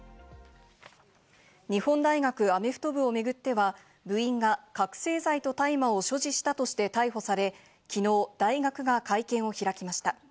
日本大学アメフト部を巡っては、部員が覚醒剤と大麻を所持したとして逮捕され、きのう、大学が会見を開きました。